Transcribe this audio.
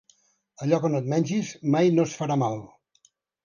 Allò que no et mengis mai no es farà mal.